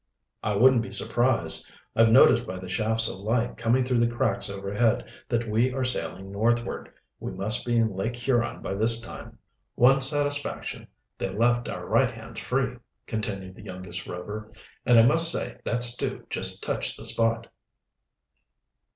"I wouldn't be surprised. I've noticed by the shafts of light coming through the cracks overhead that we are sailing northward. We must be in Lake Huron by this time." "One satisfaction, they left our right hands free," continued the youngest Rover. "And I must say that stew just touched the spot."